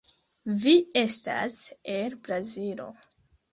Vi estas el Brazilo.